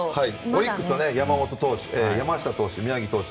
オリックスは山本投手、山下投手、宮城投手